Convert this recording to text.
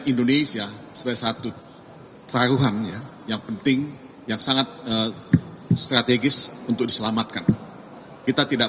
indonesia sebagai satu taruhan ya yang penting yang sangat strategis untuk diselamatkan kita tidak